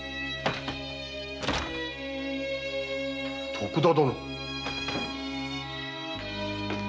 徳田殿！